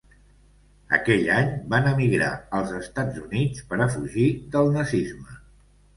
Aquell any van emigrar als Estats Units per a fugir del Nazisme.